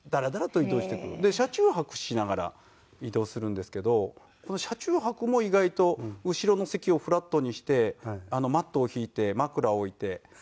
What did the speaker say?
で車中泊しながら移動するんですけどこの車中泊も意外と後ろの席をフラットにしてマットを敷いて枕を置いて。